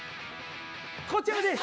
こちらです！